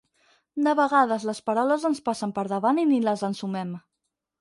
De vegades les paraules ens passen per davant i ni les ensumem.